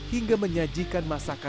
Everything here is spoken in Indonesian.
hingga menyajikan kembali ke masyarakat